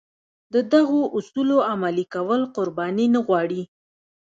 د دغو اصولو عملي کول قرباني نه غواړي.